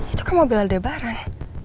itu kan mobil aldebaran